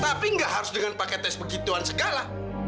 tapi nggak harus dengan pakai tes begituan segala